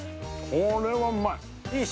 これはうまい。